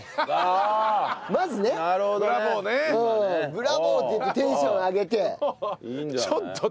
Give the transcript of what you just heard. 「ブラボー！」って言ってテンション上げて。